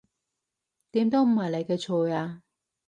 點都唔係你嘅錯呀